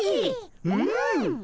うん！